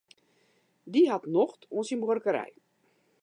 Dy hat nocht oan syn buorkerij.